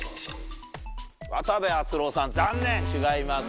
渡部篤郎さん残念違います。